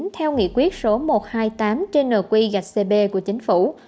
theo nghị quyết số một trăm hai mươi tám nq cp của chính phủ